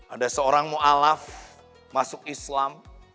ada seorang mu alaf masuk islam